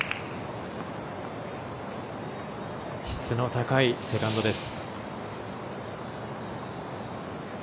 質の高いセカンドです。